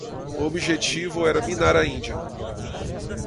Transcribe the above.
O objetivo era minar a Índia